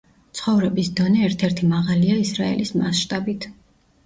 ცხოვრების დონე ერთ-ერთი მაღალია ისრაელის მასშტაბით.